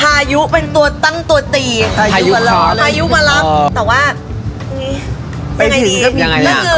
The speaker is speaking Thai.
พายุเป็นตัวตั้งตัวตีพายุเมลอก่อนเลยแต่ว่าอย่างนี้ยังไงดี